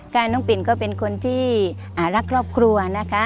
น้องปิ่นก็เป็นคนที่รักครอบครัวนะคะ